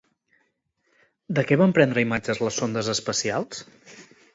De què van prendre imatges les sondes espacials?